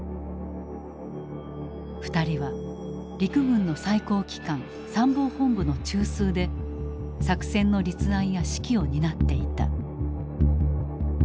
２人は陸軍の最高機関参謀本部の中枢で作戦の立案や指揮を担っていた。